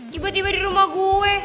tiba tiba di rumah gue